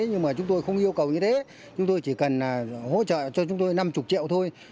nhưng mà chúng tôi không yêu cầu như thế chúng tôi chỉ cần hỗ trợ cho chúng tôi năm mươi triệu thôi